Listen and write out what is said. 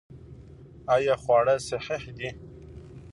آیا خواړه صحي دي؟